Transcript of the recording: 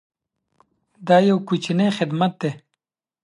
دا یو کوچنی خدمت دی.